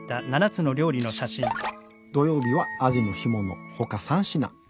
土曜日はアジの干物ほか３品。